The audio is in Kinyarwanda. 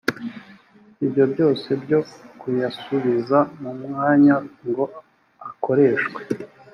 ibyo byose byo kuyasubiza mu mwanya ngo akoreshwe